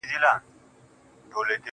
زه مي پر خپلي بې وسۍ باندي تکيه کومه,